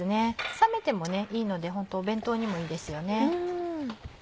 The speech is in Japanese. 冷めてもいいのでホント弁当にもいいですよね。